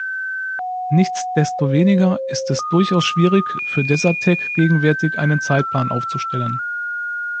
Nichtsdestoweniger ist es durchaus schwierig, für Desertec gegenwärtig einen Zeitplan aufzustellen.